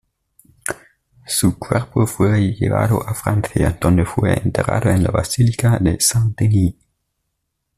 Su cuerpo fue llevado a Francia, donde fue enterrado en la basílica de Saint-Denis.